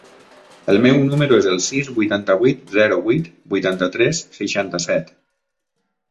El meu número es el sis, vuitanta-vuit, zero, vuit, vuitanta-tres, seixanta-set.